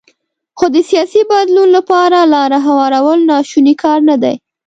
خو د سیاسي بدلون لپاره لاره هوارول ناشونی کار نه دی.